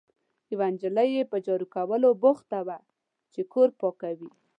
یوه نجلۍ یې په جارو کولو بوخته وه، چې کور پاکوي.